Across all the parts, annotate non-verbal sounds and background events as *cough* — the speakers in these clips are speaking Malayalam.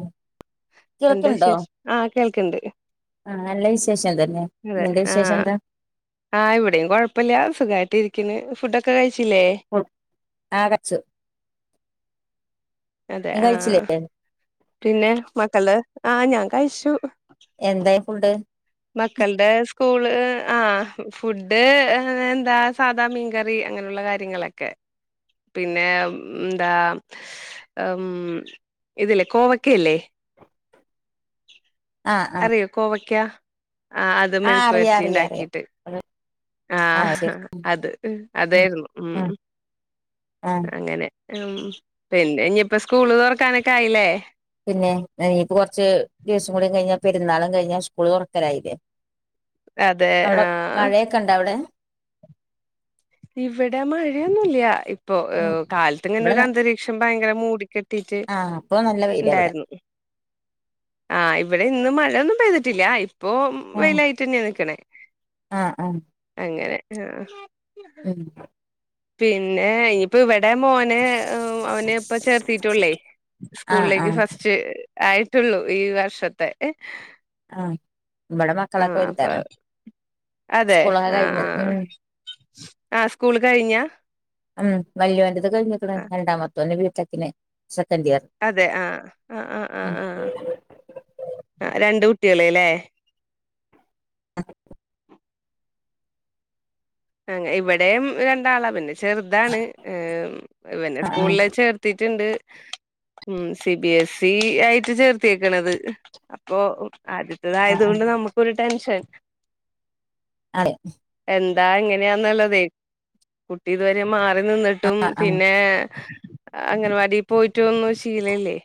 ആഹ് എന്താ വിശേഷം ആഹ് കേൾക്ക്ൺണ്ട് ആഹ് നല്ല വിശേഷം തന്നെ നിന്റെ ആഹ് വിശേഷംന്താ ആഹ് ഇവ്ടെയും കൊഴപ്പല്യ സുഖായിട്ടിരിക്ക്ണ് ഫുഡൊക്കെ കഴിച്ചില്ലേ ആഹ് കച്ചു അതെ നീ കഴിച്ചില്ലേ ആഹ് പിന്നെ മക്കള് ആഹ് ഞാൻ കഴിച്ചു എന്തായി ഫുഡ് മക്കൾടെ സ്കൂള് ആഹ് ഫുഡ് എന്താ സാദാ മീൻകറി അങ്ങനെള്ള കാര്യ ത്തിങ്ങളെക്കെ പിന്നെ ഉംന്താ അം ഇത് ല്ലേ കോവക്കെയല്ലേ ആഹ് ആഹ് അറിയോ കോവയ്ക്ക ആഹ് അത് ആഹ് മെഴുക്ക് അറിയാം വെര്റ്റിണ്ടാക്കീട്ട് *unintelligible* ആഹ് അത് അതായെര്ന്നു ഉം ആഹ് അങ്ങനെ ഉം പിന്നെ ഇഞ്ഞിപ്പ സ്കൂൾ തൊറക്കാനക്കെ ആയില്ലേ പിന്നെ എ ഈപ്പ കൊർച്ച് ദിവസകൂടി കഴിഞ്ഞാപെരുന്നാളു കഴിഞ്ഞാ സ്കൂൾ തൊറക്കലായിലേ അതെ അവ്ടെ ആഹ് മഴയൊക്കെണ്ടവ്ടെ ഇവിടെ മഴയൊന്നുല്ല്യ ഇപ്പൊ ഉം കാൽത്ത് ഇവിടെ ഇങ്ങനൊരു അന്തരീക്ഷം ഭയങ്കര മൂടികെ ട്ടീട്ട് ആഹ് ഇപ്പൊ നല്ല വെയിലാ ഇവിടെ ണ്ടാര്ന്നു ആഹ് ഇവ്ടെന്നും മഴന്നും പെയ്തിട്ടില്ല്യ ഇപ്പോ ആഹ് വെയിലായിറ്റ്ന്നെ നിക്ക്ണേ ആഹ് ആഹ് അങ്ങനെ ആഹ് എന്ത പിന്നെ ഇ പ്പ് ഇവടെ മോനെ അവനെപ്പ ചേർത്തി റ്റൊള്ളേ ആഹ് സ്കൂൾലേക്ക് ആഹ് ഫസ് ച്ച് ആയിട്ടൊള്ളൂ ഈ വർഷത്തെ എ ആഹ് ഇവടെ മക്കളൊക്കെ അപ്പൊ വല്താണ് സ്കൂളൊക്കെ കഴിഞ്ഞത് ഉം ആഹ് സ്കൂള് കഴിഞ്ഞാ ഉം വല്യോരത് കഴിഞ്ക്ക്ണ് രണ്ടാമത്തോന്ഞ്ഞി ബിടെക്ന് സെക്കൻൻ്റിയർ അതെ ആഹ് ആഹ് ആഹ് ആഹ് ആഹ് അഹ് രണ്ട് കുട്ടിയേള്ലേ അങ്ങേ ഇവിടെം രണ്ടാളാ പിന്നെ ചെർതാണ് ഹ് പിന്നെ ആഹ് ആഹ് സ്കൂൾല് ചേർത്തിറ്റ്ണ്ട് ഉം സി ബി എസ് ഇ ആയിറ്റ് ചേർത്തിക്ക്ണത് അപ്പൊ ആദ്യ ആഹ് തായത് പിന്നെക ആഹ് നമുക്കൊരു ടെൻഷൻ ആഹ് എന്താ ങ്ങനെന്ന്ള്ളതെയ് കുട്ടി ഇത് വരെ മാറി നിന്ന് ട്ടും ആഹ് ആഹ് പിന്നെ അഗനവാടി പോയിറ്റൊന്നും ശീലല്ലേ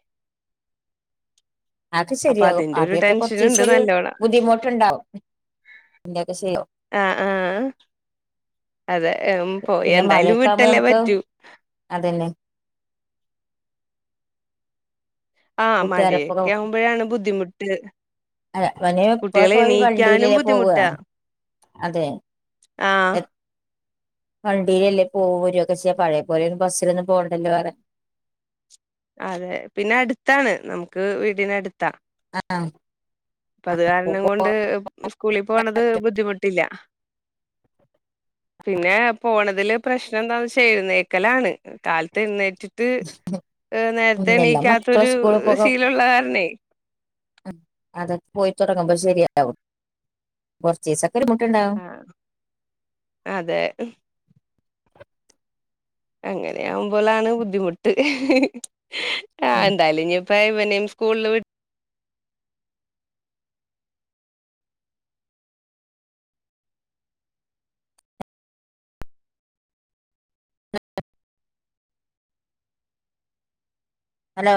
അത് അപ്പൊ ശെരിയാകും അതിന്റെ ഒരു അദ്യത്തെ ടെൻഷനുണ്ട് കൊർചിസൊര് നല്ലോണം ബുദ്ധിമുട്ട്ണ്ടാവും ആഹ് ആഹ് അതെ എം പോയി പിന്നെ എന്തായാലും മഴയൊക്കെ ആവുമ്പോ വിട്ടല്ലേ നമുക്ക് പറ്റൂ അതന്നെ ആഹ് കൂട്ടുകാരൊപ്പൊക്കെ മഴെക്ക്യാവുമ്പഴാണ് ബുദ്ധിമുട്ട് അല്ല അവന് *unintelligible* കുട്ടികളെ പോയി എണീക്കാനും വണ്ടില് പോവാ. ബുദ്ധിമുട്ടാ അതെ ആഹ് എ വണ്ടീലല്ലേ പോവും വെരൊക്കെ ചെയ്യാ പഴയ പോലൊ ബസ്സിലൊന്നും പോകണ്ടല്ലോ അറ അതെ പിന്നെ അടുത്താണ് നമുക്ക് വീടിനടുത്താ. അ ആഹ്. ഇപ്പ അത് കാരണം കൊണ്ട് സ്കൂളിൽ പോണത് ബുദ്ധിമുട്ടില്ല. പിന്നെ പോണതില് പ്രശ്നം എന്താന്ന് വെച്ച എഴുന്നേക്കലാണ് കാലത്ത് എഴുന്നേറ്റ് ട്ട് ഉം നേരത്തെ എല്ലാ മക്കളും എണീക്കാത്തൊരു സ്കൂളിൽ ശീലുള്ള കാരണെ അതൊക്ക് പോയി തുടങ്ങുമ്പ ശെരിയാവും കൊറച്ചീസൊക്കെരു ബുദ്ധിമുട്ടുണ്ടാവും അതെ. അങ്ങനെയാവുമ്പോലാണ് ബുദ്ധിമുട്ട് ആഹ് ഉം എന്തായാലും ഇ ഇപ്പ ഇവനെയും സ്കൂളിൽ വി ഹലോ.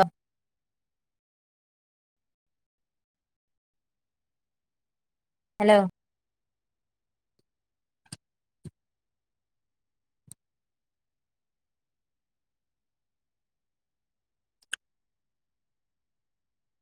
ഹലോ